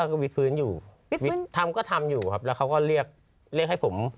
ก็วิทพื้นอยู่วิดทำก็ทำอยู่ครับแล้วเขาก็เรียกเรียกให้ผม